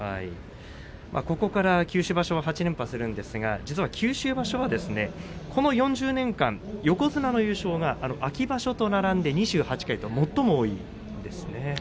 ここから九州場所８連覇するんですが実は九州場所はこの４０年間に横綱の優勝が秋場所と並んで２８回と最も多いんですね。